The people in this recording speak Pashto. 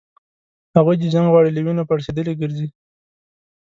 هغوی چي جنګ غواړي له وینو پړسېدلي ګرځي